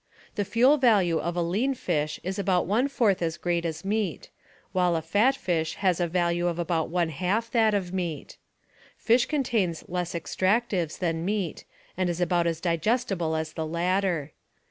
The fuel value of a lean fish is about one fourth as great as meat, while a fat fish has a value of about one half that of meat. Fish con tains less extractives than meat and is about as digestible as the latter.